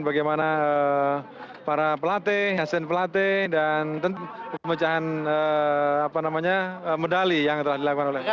bagaimana para pelatih hasil pelatih dan pemecahan medali yang telah dilakukan oleh